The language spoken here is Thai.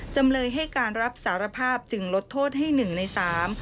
จำเลยให้การรับสารภาพจึงลดโทษให้หนึ่งในสาม